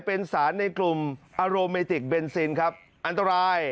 เป็นสารในกลุ่มอาโรเมติกเบนซินครับอันตราย